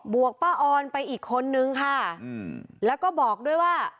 วกป้าออนไปอีกคนนึงค่ะอืมแล้วก็บอกด้วยว่า